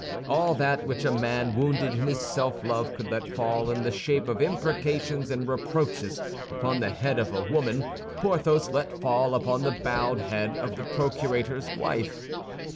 All that which a man wounded in his self love could let fall in the shape of imprecations and reproaches upon the head of a woman Porthos let fall upon the bowed head of the procurator's wife.